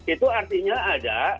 itu artinya ada